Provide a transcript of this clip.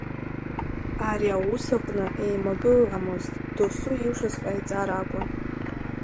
Ари аус аҟны еимакы ыҟамызт, досу илшоз ҟаиҵар акәын.